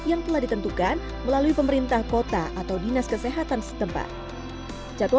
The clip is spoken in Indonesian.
setelah ditentukan melalui pemerintah kota atau dinas kesehatan setempat jatuh